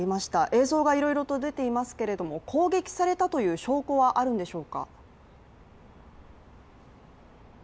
映像がいろいろと出ていますけれども攻撃されたという証拠はあるんでしょうか？